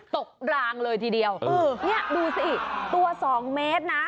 กลางเลยทีเดียวเออนี่ดูสิตัวสองเมตรนะ